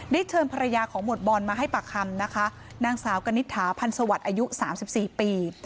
ได้เชิญภรรยาของหมวดบอลมาให้ปากคำนะคะนางสาวกะนิทถาพรรณสวรรค์อายุ๓๔ปี